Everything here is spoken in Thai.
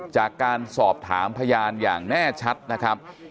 จากการสอบถามพยานอย่างแน่ชัดนะครับ